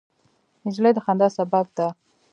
نجلۍ د خندا سبب ده.